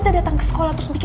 terima kasih mbak